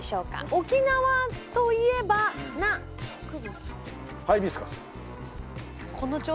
沖縄といえばな植物